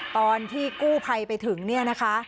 ตอนที่กู้ภัยไปถึงเนี่ยนะคะ